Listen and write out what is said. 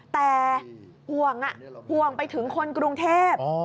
แต่ห่วงห่วงไปถึงคนกรุงเทพ